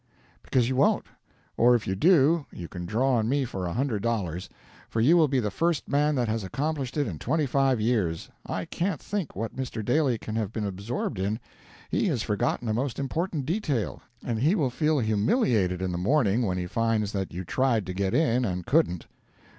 "Because you won't. Or if you do you can draw on me for a hundred dollars; for you will be the first man that has accomplished it in twenty five years. I can't think what Mr. Daly can have been absorbed in. He has forgotten a most important detail, and he will feel humiliated in the morning when he finds that you tried to get in and couldn't."